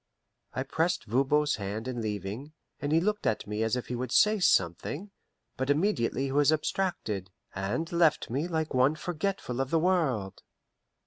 I pressed Voban's hand in leaving, and he looked at me as if he would say something; but immediately he was abstracted, and left me like one forgetful of the world.